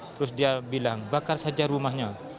terus dia bilang bakar saja rumahnya